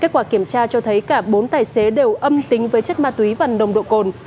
kết quả kiểm tra cho thấy cả bốn tài xế đều âm tính với chất ma túy và nồng độ cồn